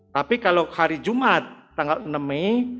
tapi kalau hari jumat tanggal enam mei